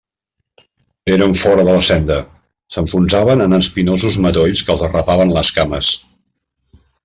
Eren fora de la senda; s'enfonsaven en espinosos matolls que els arrapaven les cames.